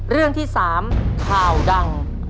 เรื่องที่๓ข่าวดัง